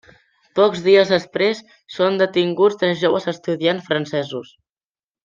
Pocs dies després són detinguts tres joves estudiants francesos.